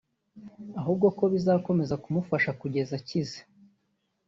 ahubwo ko bizakomeza kumufasha kugeza akize